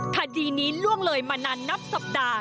คดีนี้ล่วงเลยมานานนับสัปดาห์